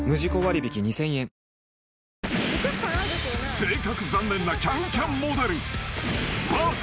［性格残念な『ＣａｎＣａｍ』モデルＶＳ］